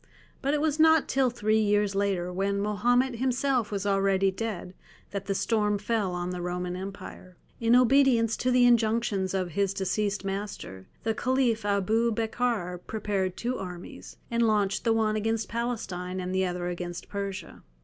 But it was not till three years later, when Mahomet himself was already dead, that the storm fell on the Roman Empire. In obedience to the injunctions of his deceased master, the Caliph Abu Bekr prepared two armies, and launched the one against Palestine and the other against Persia.